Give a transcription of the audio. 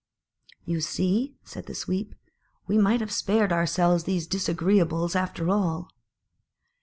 "You see," said the Sweep, "we might have spared ourselves these disagreeables, after all."